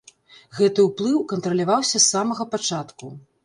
Гэты ўплыў кантраляваўся з самага пачатку.